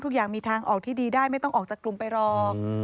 ทุกอย่างมีทางออกที่ดีได้ไม่ต้องออกจากกลุ่มไปหรอก